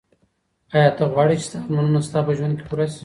ایا ته غواړې چي ستا ارمانونه ستا په ژوند کي پوره سي؟